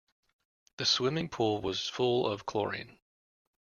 The swimming pool was full of chlorine.